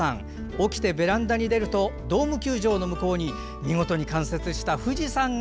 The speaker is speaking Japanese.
起きてベランダに出るとドーム球場の向こうに見事に冠雪した富士山が。